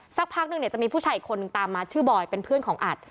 สักพักนึงเนี่ยจะมีผู้ชายอีกคนนึงตามมาชื่อบอยเป็นเพื่อนของอัด